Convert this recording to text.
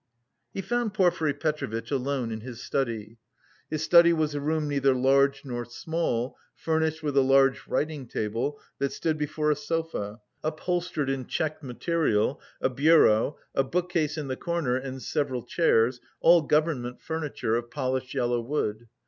He found Porfiry Petrovitch alone in his study. His study was a room neither large nor small, furnished with a large writing table, that stood before a sofa, upholstered in checked material, a bureau, a bookcase in the corner and several chairs all government furniture, of polished yellow wood.